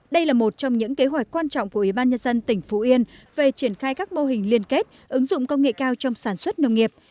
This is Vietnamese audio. đây là một trong những kế hoạch quan trọng của ủy ban nhân dân tỉnh phú yên về triển khai các mô hình liên kết ứng dụng công nghệ cao trong sản xuất nông nghiệp